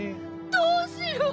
どうしよう。